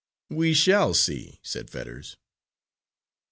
"We shall see," said Fetters.